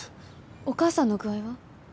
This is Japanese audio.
お母さんの具合は？